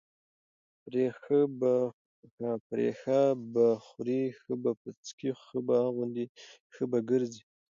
پرې ښه به خوري، ښه به څکي ښه به اغوندي، ښه به ګرځي،